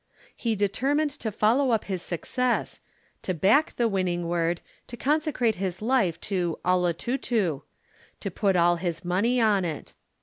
He determined to follow up his success: to back the winning word, to consecrate his life to "Olotutu," to put all his money on it.